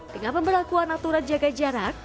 dengan pemberlakuan aturan jaga jarak